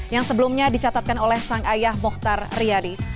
yang sebelumnya dicatatkan oleh sang ayah mohtar riyadi